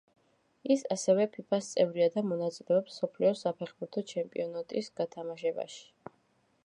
ის ასევე ფიფას წევრია და მონაწილეობს მსოფლიო საფეხბურთო ჩემპიონატის გათამაშებაში.